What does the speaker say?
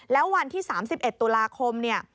แล้ววันที่๓๑ตุลาคมเนี่ย